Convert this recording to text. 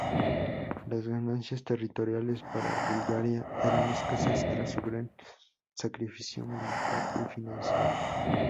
Las ganancias territoriales para Bulgaria eran escasas tras su gran sacrificio militar y financiero.